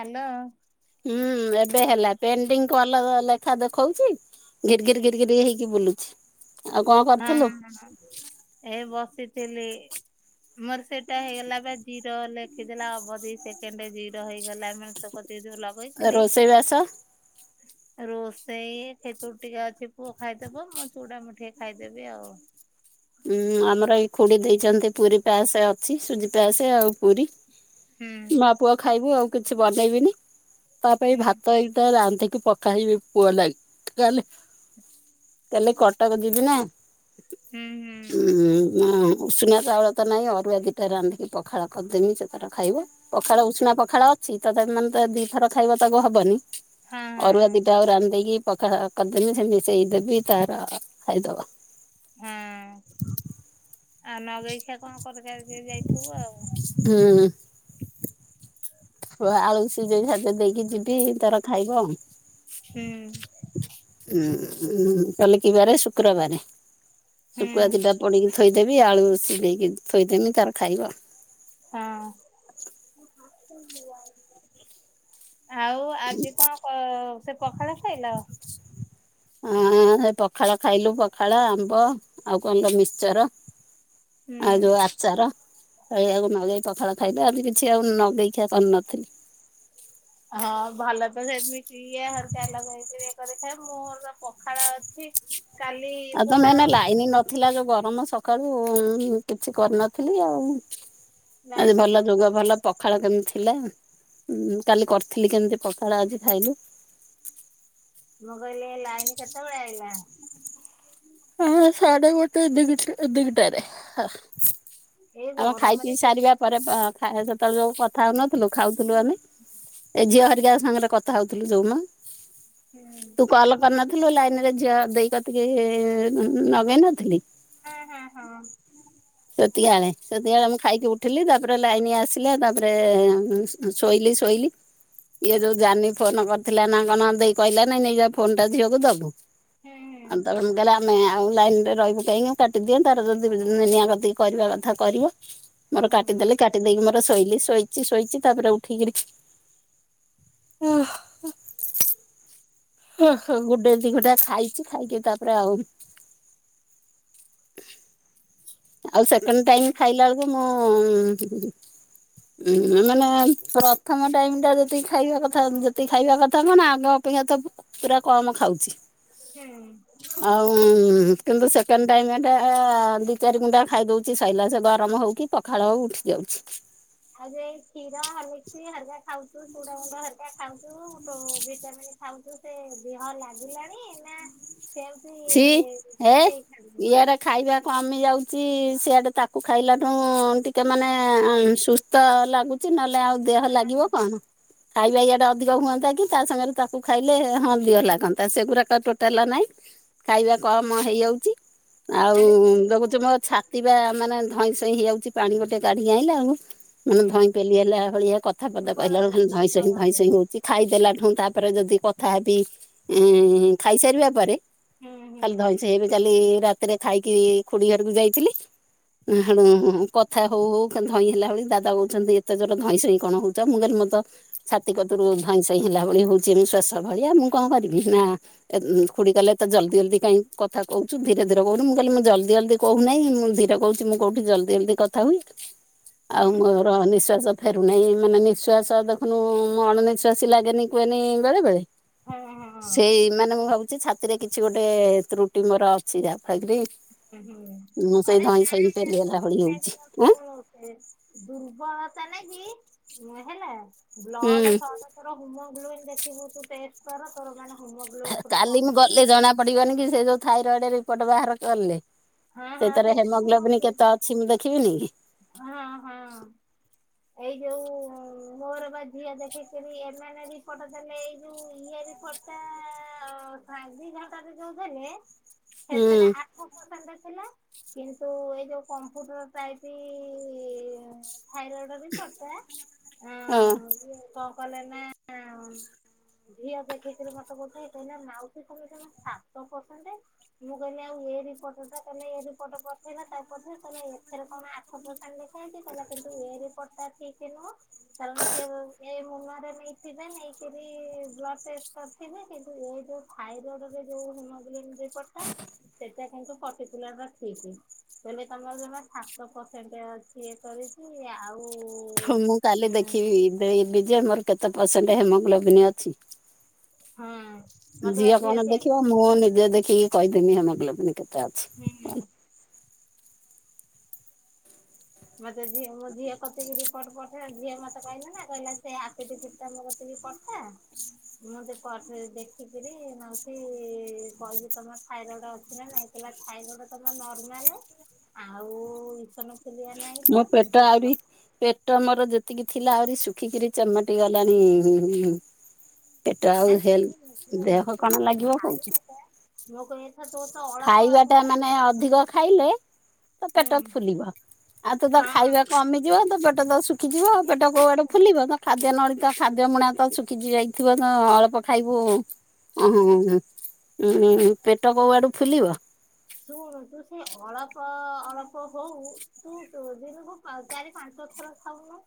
Hello. ହୁଁ ଏବେ ହେଲା ପେଣ୍ଟିଙ୍ଗ୍ କ ଅଲଗ ଲେଖା ଦେଖଉଛି। ଘିର୍ ଘିର୍ ଘିର୍ ଘିର୍ ହେଇକି ବୁଲୁଛି। ଆଉ କଣ ହଁ କରୁଥିଲୁ ଏ ବସିଥିଲି। ମୋର ସେଇଟା ହେଇଗଲା ବା ଜିରୋ ଲେଖିଦେଲା ଅବ ଦି ସେକଣ୍ଡରେ ଜିରୋ ହେଇଗଲା। କତି ଯୋଉ ଲଗେଇଥିଲି ରୋଷେଇ ବାସ ରୋଷେଇ ସେତୁ ଟିକେ ଅଛି ପୁଅ ଖାଇଦବ, ମୋ ଚୁଉଟା ମୁଠିକେ ଖାଇଦେବି ଆଉ ଉଁ ଆମର ଏଇ ଖୁଡି ଦେଇଛନ୍ତି, ପୁରୀ ପାସ ଅଛି ସୁଜି ପାସ ଆଉ ପୁରୀ ହୁଁ ମା ପୁଅ ଖାଇବୁ ଆଉ କିଛି ବନେଇବିନି, ତା ପାଇଁ ହୁଁ ଭାତ ଏଇ ରାନ୍ଧି ତୁ ପକାା ହେଇବି ପୁଅ ଲାଗି [unintelligible] କହଲେ ତାଲେ କଟକ ଯିବି ନା ହୁଁ ହୁଁ। ଉୁଁ ଉଷୁନା ଚାଉଳ ତ ନାହିଁ, ଅରୁଆ ଦିଟା ରାନ୍ଧିକି ପଖାଳ କରିଦେମି ସେତାର ଖାଇବ ପଖାଳ ଉଷୁଣା ପଖାଳ ଅଛି ତ ମାନେ ତ ଦି ଥର ଖାଇବ ତାକୁ ହବନି ହଁ ଅରୁଆ ହଁ। ଦିଟା ଆଉ ରାନ୍ଧେଇକି ପଖାଳ କରିଦେବି ସେ ମିସେଇ ଦେବି ତାର ଖାଇଦବ ହୁଁ। [inaudible] ଆଉ ନଗେଇଖିା କଣ କର ଯାଇଥିବୁ ଆଉ ହ ଆଳୁ ସିଜେଇ ସାାଦ ଦେଇକି ଯିବି ତର ଖାଇବ ଆ ହୁଁ। ହଁ କାଲି କିବାରେ ଶୁକ୍ରବାରେ ହୁଁ। ଶୁଖୁଆ ଦିଟା ପୋଡିକି ଥୋଇଦେବି ଆଳୁ ସିଜେଇ ଦେଇେଇ କି ଥୋଇଦେମି, ତାର ଖାଇବ ହଁ। ଆଉ ଆଜି କଣ ସେ ପଖାଳ ଖାଇଲା ଆ ହଁ ସେ ପଖାଳ ଖାଇଲୁ ପଖାଳ ଆମ୍ବ ଆଉ କଣ ତ ମିକ୍ସଚର ଆଉ ହୁଁ ଯୋଉ ଆଚାର ଏଇଆକୁ ନଗେଇ ପଖାଳ ଖାଇବେ ଆ କିଛି ଆଉ ନଗେଇ ଖିଆ କରିନଥିଲି। ହଁ ଭଲତ ସେମିତି ଇଏ ହେରିକା ଲଗେଇକିରି କରି ଖାଏ ମୋର ତ ପଖାଳ ଅଛି କାଲି ଆଉ ତ ପୁଅ ମେନେ ଲାଇନ ନଥିଲା ଯୋଉ ଗରମ ସ ସକାଳୁ କିଛି କରିନଥିଲି ଆଉ। ଲାଇନ ଆଜି ଭଲ କେତେବେଳେ ଯୁଗ ଆଇଲା? ଭଲ ପଖାଳ କେମିତି ଥିଲା ଉଁ କାଲି କରିଥିଲି କେମିତି ପଖଳା ଆଜି ଖାଇଲୁ। ମୁଁ କହିଲି ଲାଇନ୍ କେତେବେଳେ ଆଇଲା? ହଁ ସାଡେ ଗୋଟେ ଦିଗ ଦିଟାରେ। ଏଇ ଆମେ ଖାଇପି ଗରମରେ ସାରିବା କେମିତି ପରେ ଆଁ ଖା ସେତେବେଳେ ଯୋଉ କଥା ହଉନଥିଲୁ ଖାଉ ଥିଲ ଆମେ ଏ ଝିଅ ହେରିକା ସାଙ୍ଗରେ କଥା ହଉଥିଲୁ ଯୋଉ ମ ହଁ ତୁ କଲ୍ କରିନଥିଲୁ ଲାଇନ ରେ ଝିଅ ଦେଇ କତିକି ନଗେଇ ନଥିଲି? ହଁ ହଁ ହଁ। ସେତିକା ଆଳେ ସେତିକି ବଳେ ମୁଁ ଖାଇକି ଉଠିଲି ତାପରେ ଲାଇନ୍ ଆସିଲା ତାପରେ ଶୋଇଲି ସୋଇଲି ଇଏ ଯୋଉ ଜାନି ଫୋନ କରିଥିଲା ନା କଣ ଦେଇ କହିଲା ନାଇଁ ନେଇ ଫୋନ ଟା ଝିଅକୁ ଦବୁ? ହୁଁ [unintelligible] ଆଉ ଲାଇନ ରେ ରହିବୁ କାଇଁ କାଟିଦିଅ ତାର ଯଦି ନିଆ କତିକି କରିବା କଥା କରିବ ମୋର ହୁଁ ହୁଁ। କାଟିଦେଲି କାଟି ଦେଇକି ମୋର ଶୋଇଲି ଶୋଇଛି ଶୋଇଛି ତାପରେ ଉଠେଇକରି ଓ ହ ଗୁଣ୍ଡେ ଦି ଗୁଣ୍ଡା ଟା ଖାଇଛି ଖାଇକି ତାପରେ ଆଉ ଆଉ ସେକେଣ୍ଡ ଟାଇମ୍ ଖାଇଲା ବେଳକୁ ମୁଁ ଉଁ ମାନେ ପ୍ରଥମ ଟାଇମ ଟା ଯେତିକି ଖାଇବା କଥା ଯେତିକି ଖାଇବା କଥା କଣ ଆଗ ଅପେକ୍ଷା ତ ପୁରା କମ ଖାଉଚି ହୁଁ। ଉଁ କିନ୍ତୁ ସେକେଣ୍ଡ ଟାଇମ୍ ଏଟା ଦି ଚାରି ଗୁଣ୍ଡା ଖାଇଦଉଚି ସରଲା ସେ ଗରମ ହଉ କିି ପଖା ଫାଳ ଉଠି ଯାଉଚି ଆଉ ଚୁଡା ଗୁଣ୍ଡ ହେରିକା ଖାଉଚୁ ଭିଟାମିିନ୍ ଖାଉଚୁ ସେ ଦେହ ଲାଗିଲାଣି ନା ଛି ହେ [unintelligible] ଇଆଡେ ଖାଇବା କମି ଯାଉଛି ସେଆଡ଼େ ତାକୁ ଖାଇଲାଠୁ ଟିକେ ମାନେ ସୁସ୍ଥ ଲାଗୁଛି। ନହେଲେ ଆଉ ଦେହ ଲାଗିବ କଣ? ଖାଇବା ଇଆ ଟା ଅଧିକ ହୁଅନ୍ତା କି ତା ସମୟରେ ତାକୁ ଖାଇଲେ ହ ଦିହରେ ଲାଗନ୍ତା ସେଗୁଡାକ ଟୋଟା ହେଲା ନାଇଁ ଖାଇବା କମ ହେଇଯାଉଛି ଆଉ ଆରେ ତୁ ଦେଖୁଛି ମୋ ହୁଁ ଛାତି ବା ମାନେ ଧଇଁ ସଇ ହେଇଯାଉଛି ପାଣି ଗୋଟେ କାଢି ଆଣିଲ ଆଉ ମାନେ ଧଇଁ ପେଲି ହେଲା ଭଳିଆ କଥାପଦେ କହିଲା ବେଳେ ଦୁର୍ବଳରୁ ଖ ଧଇଁ ସଇଁ ଧଇଁ ଦୁର୍ବଳରୁ ସଇଁ ହଉଛି ଖାଇଦେଲା ଠୁ ତା ତା ପରେରେ ଯଦି କଥା ହେବି ଏ ଖାଇସାରିବା ପରେ ହୁଁ ଖାଲି ହୁଁ ଧଇଁ ସଇଁ ହେଇ କାଲି ରାତିରେ ଖାଇକି ଖୁଡି ଘରକୁ ଯାଇଥିଲି। [inaudible] କଥ କଥା ହଉ ହଉ ଧଇଁ ହେଲା ଭଳି ଦାଦ କହୁଛନ୍ତି ଏତେ ଜୋର ଧଇଁ ସଇଁ କଣ ହଉଛ ମୁଁ ମତ ଛତି କତରୁ ଧଇଁ ସଇଁ ହେଲା ଭଳି ହଉଛି ମୁଁ ସ୍ୱଷ ଭଳିଆ ମୁଁ କଣ କରିବି ନା ଖୁଡି କଲେ ତ ଜଲଦି ଜଲଦ କାଇଁ କଥା କହୁଛୁ ଧୀରେ ଧୀରେ କହୁନୁ ମୁଁ କିଲି ମୁଁ ଜଲଦି ଜଲଦି କହୁହି ମୁଁ ଧୀରେ କହୁଛି ମୁଁ ଜ [unintelligible] କଥା ହୁଏ ଆଉ ହୁଁ ମୋର ନିଶ୍ଵାଷ ଫେରୁନାହିଁ ମାନେ ନିଃଶ୍ଵାସ ଦେଖୁନୁ ମୁଁ ଅଣ ନିିଶ୍ଵାସି ଲାଗେନି କୁହେନି ବେଳେ ବେଳେ ହଁ ସେଇ ହଁ ମାନେ ମୁଁ ଭାବୁଛି ଛା ସେଥିରେ କିଛି ଗୋଟେ ତ୍ରୁଟି ମୋର ଅଛି ଯାହା ଫଳ କିରି [unintelligible] ପେଲିହେଲା ଭଳି ହଉଛି ଉଁ ଦୁର୍ବଳ ନ କି। ହେଲା। ବ୍ଲଡ଼ ହୁଁ ସରସର ହୁମଗ୍ଲୋ ଦେଖିବୁ ତୁ ଟେଷ୍ଟ କର, ତୋର ହିମୋଗ୍ଲୋବିନ ପୁରା କାଲି ମୁଁ କମ ଗଲେ ଥିବ ଜଣା ପଡିବନି କି, ସେ ଯୋଉ ଥାଇରଏଡ ରିପୋର୍ଟ ବାହାର କଲେ। ହଁ ହଁ ସେଇଥିରେ ସେଇଥିରେ ହେମୋଗ୍ଲୋବନ ହିମୋଗ୍ଲୋବିନ କେତେ ଅଛି ମୁଁ ଦେଖିବିନି କି। ହଁ ହଁ ଏଇ ଯୋଉ ମୋର ବା ଝିଅ ଦେଖିକରି ଏମାନେ ବି ଫଟୋ ଦେଲେ ଏଇ ଯୋଉ ଇଏ ରିପୋର୍ଟ ଟା ଆଜି ନ ଟାରେ ଯୋଉ ଦେଲେ, କି ହୁଁ ସେଥିରେ ଆଠ ପେରସେଣ୍ଟ ହେଲା। କିନ୍ତୁ ଏଇ ଯୋଉ କମ୍ଫୁଟର ଟାଇପି ଥାଇରଏଡ ବି ପଡଥା କଣ କଲେ ନା ଝିଅ ଦେଖିକରି ମତେ ବୁଝେଇ କଉଥାଏ କହିଲା ମାଉସି ତମେ ଜମା ସାତ ପରସେଣ୍ଟ। ମୁଁ କହିଲି ଆଉ ଏ ରିପୋଟ ଟା ତମେ ଏ ରିପୋର୍ଟ ପଠେଇଲା ତା ପରେ କହିଲା ଏଥରେ କଣ ଆଠ ପେରସେଣ୍ଟ ଲେଖାହେଇଚି। କହିଲା କିନ୍ତୁ ଏ ରିପୋଟ ଟା ଠିକ ନୁହଁ କାରଣ ସିଏ ଏ ଫୋନରେ ନେଇଥିବେ। ନେଇକରି ବ୍ଲଡ଼୍ ଟେଷ୍ଟ କରିଥିବେ। କିନ୍ତୁ ଏ ଯେଉଁ ଥାଇରଏଡ଼ରେ ଯେଉଁ ହେମୋଗ୍ଲୋବିନ ରିପୋର୍ଟଟା ସେଟା କିନ୍ତୁ ପାର୍ଟିକୁଲାର ଠିକ। କଇିଲେ ତମର ଜମା ସାତ ପରସେଣ୍ଟ ଅଛି ଇ କରିଛି ଆଉ ହ ମୁଁ କାଲି ହୁଁ ଦେଖିଦେବି ଯେ ମୋର କେତେ ପରସେଣ୍ଟ ହେମୋଗ୍ଲୋବନ୍ ଅଛି। ହଁ। ମତେ ବା ଝିଅ କଣ ସେଇଆ ଦେଖିବ ହୁଁ ମୁଁ ନିଜେ ଦେଖିକି କହିଦିମି ହିମୋଗ୍ଲୋବିନ କେତେ ହୁଁ ଅଛି। ମତେ ଝିଅ ମୋ ଝିଅ କତିକି ରିପୋର୍ଟ ପଠେଇ ଝିଅ ମତେ କହିଲେ ନା କହିଲା [unintelligible] ପଠା ମୁଁ ଦେ ପଠେ ତ ଦେଖିକିରି ମାଉସୀ କହିବି ତମର ଥାଇରଏଡ ଅଛି ନା ନାଇଁ। ଥାଇରଡ଼ ତମ ନର୍ମାଲ ଆଉ ଇସନଫୁଲିଆ ମୋ ପେଟ ଆହୁରି ପେଟ ମୋର ଯେ ସେତିକି ଥିଲା ଆହୁରି ଶୁଖିକିରି ଚମଟି ଗଲାଣି। ପେଟ ଆଉ ଆରେ ହେଲ ଶୁଣୁ ଶୁଣୁ ଦେହ ଯୋ କଣ ଲାଗିବ କହୁଛି ଥାଇରଡ ଟା ମୋ କଇବା କଥା ତୋର ତ ଅଳପ ଅଛି ସେଟା ମାନେ ଅଧିକ ଖାଇଲେ ତ ପେଟ ଫୁଲିବ। ଆଉ ତ ତ ହଁ ଖାଇବା କମିଯିବ ତ ପେଟ ତ ଶୁଖିଯିବ ଆଉ ଏ ପେଟ ତୁ କୋଉଆଡେ ଫୁଲିବ ତ ଖାଦ୍ୟ ନ ତ ଖାଦ୍ୟ ମୁଣା ତ ଶୁଖି ଯାଇଥିବ ତ ଅଳ୍ପ ଖାଇବୁ ଉ ଉ ଉଁ ପେଟ କୋଉ ଆଡୁ ଫୁଲିବ। ଶୁଣୁ ତୁ ସେ ଅଳ୍ପ ଅଳ୍ପ ହଉ ତୁ ଦିନକୁ ଚାରି ପା ଥର ଖାଉନ।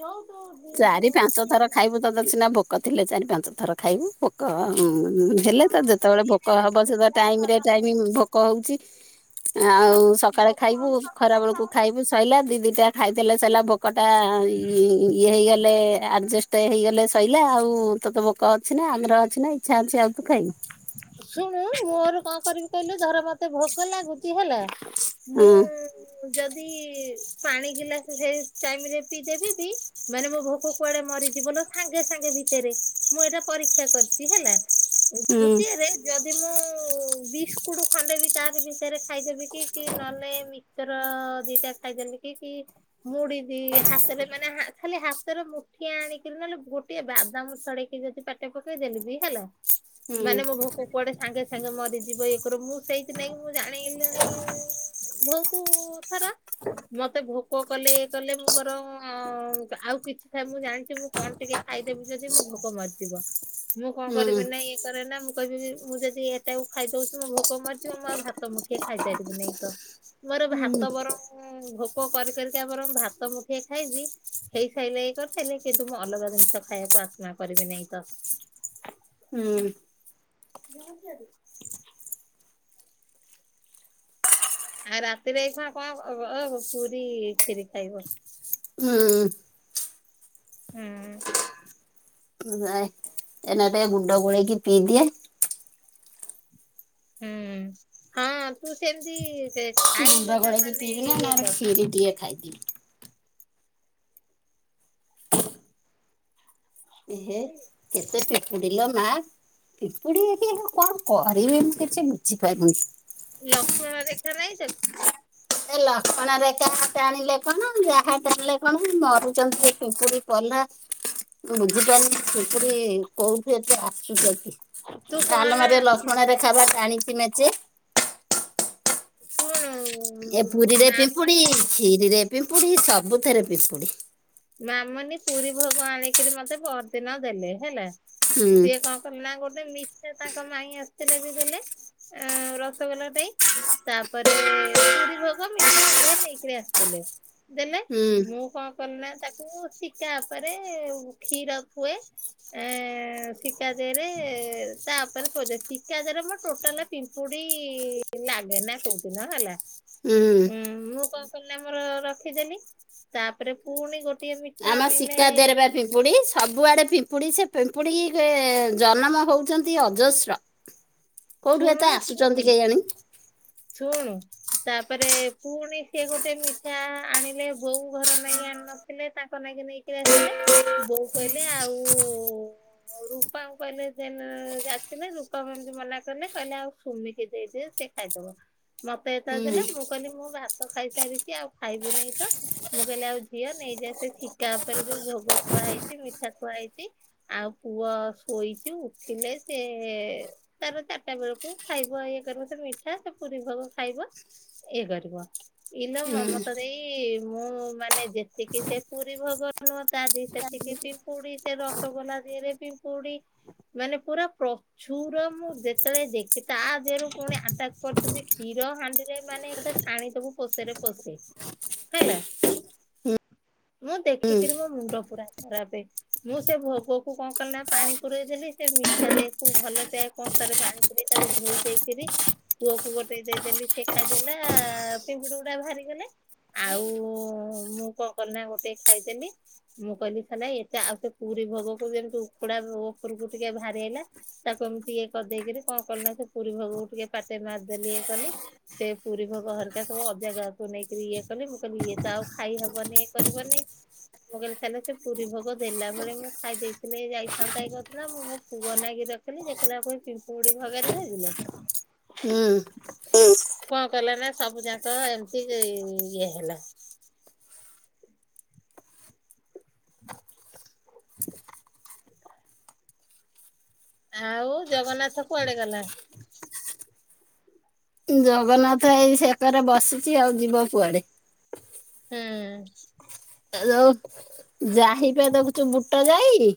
ଯୋଉ ତୁ ଦି ଦୁ ଚାରି ପାଞ୍ଚ ଥର ଖାଇବୁ ତତେ ସିନା ଭୋକ ଥିଲେ ଚାରି ପାଞ୍ଚ ଥର ଖାଇବୁ। ଭୋକ ଆଉ ହଁ ହେଲେ ତ ଯେତେବେଳେ ଭୋକ ହବ ସେ ଟାଇମରେ ଟାଇମି ଭୋକ ହଉଛି ଆଉ ସକାଳେ ଖାଇବୁ ଖରା ବେଳକୁ ଖାଇବୁ ସଇଲା। ଦି ଦିଟା ଖାଇଦେଲେ ସିଲା ଭୋକଟା ଇ ଇଏ ହେଇଗଲେ ଆଡ଼ଜଷ୍ଟ ହେଇଗଲେ ଶଇଲା ଆଉ। ତୋତେ ଭୋକ ଅଛି ନା ଆମ୍ର ଅଛି ନା ଇଚ୍ଛା ଅଛି ଆଉ ତୁ ଖାଇବୁ। ଶୁଣୁ ମୋର କଣ କରିବି କହିଲୁ ଧର ମତେ ଭୋକ ଲାଗୁଛି ହେଲା ମୁଁ ହୁଁ ଯଦି ପାଣି ଗିଲାସ ସେଇ ଟାଇମ ରେ ପିଇଦେବି ବି ମାନେ ମୋ ଭୋକ କୁଆଡେ ମରି ଜିବ ଲୋ ସାଙ୍ଗେ ସାଙ୍ଗେ ଭିତରେ ମୁଁ ଏଇଟା ପରୀକ୍ଷା କରିଛି ହେଲା। ହୁଁ ଦ୍ବିତୀୟରେ ଯଦି ମୁଁ [inaudible] ବିସ୍କୁଟ ଖଣ୍ଡେ ବି ତାରି ଭିତରେ ଖାଇଦେବି କି କି ନହଲେ ମିକ୍ସଚର ଦିଟା ଖାଇଦେଲି ମୁଡିଦି ହାତରେ ମାନେ ହା ଖାଲି ହାତରେ ମୁଠିଏ ଆଣିକିରି ନହେଲେ ଗୋଟିଏ ବାଦାମ ଛଡେଇକି ଯଦି ପାଟେ ପକେଇ ଦେଲେ ବି ହେଲା ହୁଁ ମାନେ ମୋ ଭୋକ କୁଆଡେ ସାଙ୍ଗେ ସାଙ୍ଗେ ମରିଯିବ ଇଏ କରିଅ ମୁଁ ସେଇଥି ନାଇଁ ମୁଁ ଜାଣି ଗଲିଣି ଭଉତ ଥର ମତେ ଭୋ କ କଲେ କଲେ ମୁଁ ମୋର ଆଉ କିଛି ଥା ମୁଁ ଜାଣିଛି ମୁଁ କଣ ଟିକେ ଖାଇଦେବି ଯଦି ମୁଁ ଭୋକ ମରିିଜିଵ ମୁଁ କଣ ହୁଁ କରିବି ନାଇଁ ମୁଁ କହିବି ମୁଁ ଯଦି ଏଟାକୁ ଖାଇଦଉଛି ମୋ ଭୋକ ମରିଯିବ ମୁଁ ଆଉ ଭାତ ମୁଠେ ଖାଇପାରିବି ନାଇଁ ତ। ମୋର ହୁଁ ଭାତ ବରଂ ଭୋକ କରି କରିିକା ବରଂ ଭାତ ମୁଠିଆ ଖାଇବି ହେଇ ସାଇିଲ ଏଇ କରି ଥିଲି କିନ୍ତୁ ମୁଁ ଅଲଗା ଜିନିଷ ଖାଇବାକୁ ଆତ୍ମା କରିବି ନାାଇଁ ତ। ହୁଁ। [unintelligible] ଆଉ ରାତିରେ ଏଇ ଖୁଆ କଣ [unintelligible] ପୁରୀ କ୍ଷରି ଖାଇବ। ହୁଁ ହୁଁ। ଏନା ଟିକେ ଗୁଣ୍ଡ ଗୋଳେଇକି ପିଇଦିଏ। ହୁଁ ହଁ ତୁ ସେମତିତେ ମୁୁଣ୍ଡ ଗୋଳେଇକି ପିଇବି ନା ନା କ୍ଷୀରି ଟିକଏ ଖାଇଦିଏ। ଏହେ କେତେ ପେ ଦିଲ ମା ପିମ୍ପୁଡ଼ି କି ଆଉ କଣ କରିବି ମୁଁ କିଛି ବୁଝିପାରୁନି। ଲକ୍ଷ୍ମଣ ରେଖା ନହିଁ ତ? ଏ ଲକ୍ଷଣ ରେଖା ଟାଣିଲେ କଣ ଯାହା ଟାଣିଲେ କଣ ମରୁଚନ୍ତି ପିମ୍ପୁଡି ପଲା। ମୁଁ ବୁଝିପାରୁିନି ପିମ୍ପୁଡ଼ି କୋଉଠୁ ଏତେ ଆସୁଚନ୍ତି। ତୁ କହନା ଆଲମାରୀ ଲକ୍ଷ୍ମଣ ରେଖା ବା ଟାଣିଚି ମେଞ୍ଚେ। ଶୁଣୁ? ଏ ପୁରୀରେ ପିମ୍ପୁଡି ମାମୁନି ଖିରି ରେ ପିମ୍ପୁଡି ସବୁଥରେ ପିମ୍ପୁଡି। ମାମୁନି ପୁରୀ ଭୋଗ ଆଣିକିରି ମତେ ଦେଲେ ହେଲା ହୁଁ ସିଏ କଣ କଲେ ନା ଗୋଟେ ମିଠା ତାଙ୍କ ମାଇଁ ଆସ ତେଲେ ବି ଦେଲେ ଆ ରସଗୋଲା ଟେଇ। ତାପରେ ପୁରୀ ଭୋଗ ମିଠା ଉଭୟେ ନେଇକରି ଆସିଥିଲେ। ଦେଲେ ହୁଁ ମୁଁ କଣ କିଲିନା ତାକୁ ଶିକା ପରେରେ କ୍ଷୀର ଥୁଏ ଏ ଶିକା ଦେଲେ ତାପରେ କୁା ଶିକାଜାର ମର ଟୋଟାଲ ପିମ୍ପୁଡି ଲାଗେ ନା କହୁଦ ନା ହଁ ହେଲା। ହୁଁ ମୁଁ କଣ କିଲି ଆମର ରଖିଦେଲି ତାପରେ ପୁଣି ଗୋଟିଏ ମି ଆମ ଶିକାର ଦେର ବା ପିମ୍ପୁଡି ସବୁଆଡେ ପିମ୍ପୁଡି ସେ ପିମ୍ପୁଡି ଏ ଜନ୍ମ ହଉଛନ୍ତି ଅଜସ୍ର। କୋଉଠୁ ଏତେ ଶୁଣୁନୁ ଶୁଣୁନୁ ଆସୁଛନ୍ତି କେହି ଜାଣି? ଶୁଣୁ ତାପରେ ପୁଣି ସିଏ ଗୋଟେ ମିଠା ଆଣିଲେ ବୋଉ ଘର ନେଇକି ଆଣି ନଥିଲେ ତାଙ୍କ ବନାକି ନେଇକିରି ଆସିଲେ ବୋଉ କହିଲେ ଆଉ ଉ ରୂପାଙ୍କୁ କହିଲେ ଯେ ଯାଥିଲେ ରୂପା ଏମତି ମନା କଲେ କହିଲେ ଆଉ ସୁମିକି ଦେଇଦ ସେ ଖାଇଦବ। ମତେ ଏତ ହୁଁ ଦେଲେ ମୁଁ କହିଲି ମୁଁ ଭାତ ଖାଇସାରିଛି ଆଉ ଖାଇବି ନାହିଁ ତ ମୁଁ କହିଲି ଆଉ ଝିଅ ନେଇଯାଏ ସେ ଶିକା ଉପରେ ଯୋଉ ଭୋଗ ଖୁଆ ହେଇଛି ମିଠା ଖୁଆ ହେଇଛି। ଆଉ ପୁଅ ଶୋଇଛି ଉଠିଲେ ସେ ତାର ଟା ବେଳକୁ ଖାଇବ ଇଏ କରିବ ସେ ମିଠା ସେ ପୁରୀ ଭୋଗ ଖାଇବ ଇଏ କରିବ। ଇଲୋ ହୁଁ ମମତା ଦେଇ ମୁଁ ମାନେ ଯେତିକି ସେ ପୁରୀ ଭୋଗ ତା ଦି ସେତିକି ପିମ୍ପୁଡି ସେ ରସଗୋଲା ରେ ପିମ୍ପୁଡି। ମାନେ ପୁରା ପ୍ରଚୁର ମୁଁ ତା ଦେଖି ତା ଦେହରୁ ପୁଣି ଆଟାକ୍ କରିଛନ୍ତି କ୍ଷୀର ହାଣ୍ଡିରେ ମାନେଥା ଛାଣି ତବକୁ ପୋଷରେ ହେଲା। ମୁଁ ଦେଖିକିରି ମୋ ମୁଣ୍ଡ ପୁରା ଖରାପ ମୁଁ ସେ ଭୋଗକୁ କଣ କଲି ନା ପାଣି ପୁରଇ ଦେଲି ସେ ମିଠା ଯକୁ ଭଲସେ କଂସାରେ ପାଣିିକ ତାକୁ ଧୋଇ ଦେଇକରି। ପୁଅକୁ ଗୋଟେ ଦେଇଦେଲି ସେ ଖାଇଦେଲା ପିମ୍ପୁଡି ଗୁଡା ବାହାରିଗଲେ। ଆଉ ମୁଁ କଣ କ ନା ଗୋଟେ ଖାଇଦେଲିି। ମୁଁ କହିଲି ସେ ନ ଏ ଆଉ ସେ ପୁରୀ ଭୋଗକୁ ଯେମିତି କକୁଡା ଉପରକୁ ଟିକେ ବାହାରି ହେଇଲା ତାକୁ [unintelligible] ସଜେଇକିରି କଣ କଲୁ ନା ସେ ପୁରୀ ଭୋଗକୁ ଟିକେ ପାଟେ ମାରିଦେଲି ଇଏ କଲି। ସେ ପୁରୀ ଭୋଗ ହେରିକା ସବୁ ଅ ଜାଗାକୁ ନେଇକରି ଇଏ କଲି ମୁଁ କହିଲି ଇଏ ତ ଆଉ ଖାଇ ହବନି ଇଏ କରିବନି। ମୁଁ କହିଲି ତାେଲେ ସେ ପୁରୀ ଭୋଗ ଦେଲା ବେଳେ ମୁଁ ଖାଇ ଦେଇେଇଥିଲେ ଯାଇଥାନ୍ତା ଇଏ କରିଥାନ୍ତା ମୁଁ ମୋ ପୁଅ ନାକି ରଖିଲି ଯେଖିଲା ଏ ପିମ୍ପୁଗୁଡି ଭାଗରେ ହେଥିଲେ ହୁଁ। କଣ କଲା ନା ସବୁ ଯାକ ଏମିତି ଇଏ ହେଲା। ଆଉ ଜଗନ୍ନାଥ କୁଆଡେ ଗଲା? ଜଗନ୍ନାଥ ଏଇ ସେକାରେ ବସିଚି ଆଉ ଯିବ କୁଆଡେ। ହୁଁ। ଆ ଯୋଉ ଯାଇପା ଦେଖୁଚୁ ବୁଟ ଯାଇ